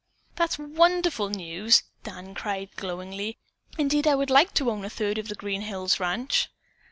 "That's wonderful news!" Dan cried glowingly. "Indeed I would like to own a third of the Green Hills ranch."